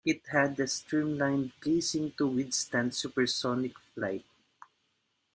It had a streamlined casing to withstand supersonic flight.